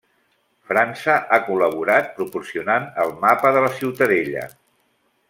França ha col·laborat proporcionant el mapa de la ciutadella.